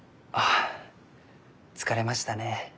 あ疲れましたね。